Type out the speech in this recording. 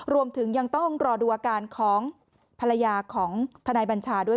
รวมถึงยังต้องรอดูอาการของภรรยาของทนายบัญชาด้วย